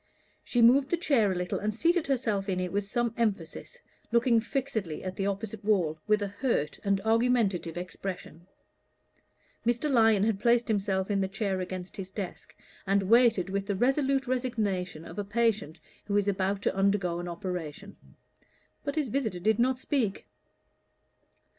She moved the chair a little and seated herself in it with some emphasis, looking fixedly at the opposite wall with a hurt and argumentative expression. Mr. Lyon had placed himself in the chair against his desk, and waited with the resolute resignation of a patient who is about to undergo an operation. But his visitor did not speak.